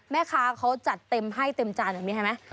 แม่ค้าเขาจัดเต็มให้เต็มจานแบบนี้เห็นไหม